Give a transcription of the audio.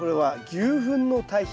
牛ふんの堆肥。